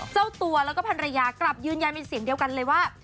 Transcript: เจ้าตัวแล้วก็ภรรยากลับยืนยันเป็นเสียงเดียวกันเลยว่า